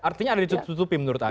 artinya anda ditutupi menurut anda